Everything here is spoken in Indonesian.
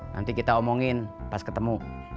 nanti kita omongin pas ketemu